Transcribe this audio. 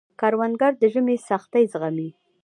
کروندګر د ژمي سختۍ زغمي